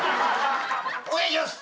お願いします。